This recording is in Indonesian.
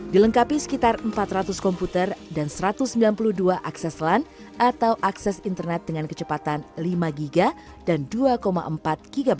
dilengkapi sekitar empat ratus komputer dan satu ratus sembilan puluh dua akses lan atau akses internet dengan kecepatan lima gb dan dua empat gb